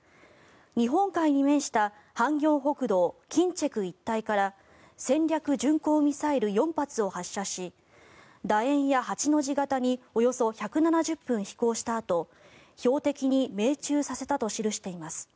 日本海に面した咸鏡北道金策一帯から戦略巡航ミサイル４発を発射し楕円や８の字形におよそ１７０分飛行したあと標的に命中させたと記しています。